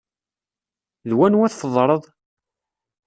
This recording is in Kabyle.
D wanwa tfeḍreḍ?